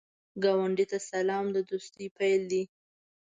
ګاونډي ته سلام، د دوستۍ پیل دی